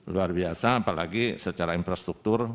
luar biasa apalagi secara infrastruktur